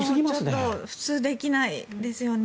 ちょっと普通できないですよね。